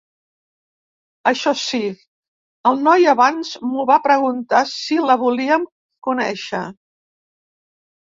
Això sí, el noi abans m'ho va preguntar, si la volíem conèixer.